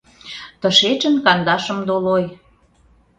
Тышечын кандашым долой.